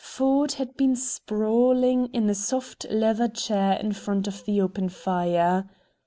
Ford had been sprawling in a soft leather chair in front of the open fire.